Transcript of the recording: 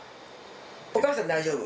お母さん大丈夫。